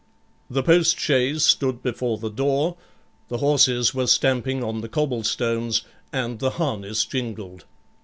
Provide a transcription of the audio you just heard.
The postchaise stood before the door, the horses were stamping on the cobble stones, and the harness jingled.